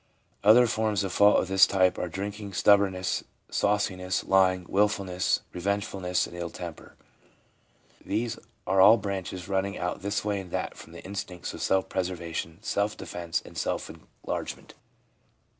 Other forms of faults of this type are drinking, stubbornness, sauciness, lying, wilfulness, re vengefulness and ill temper. These are all branches running out this way and that from the instincts of self preservation, self defence and self enlargement.